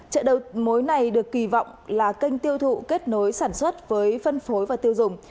chợ đầu mối này được kỳ vọng là kênh tiêu thụ kết nối sản xuất với phân phối và tiêu dùng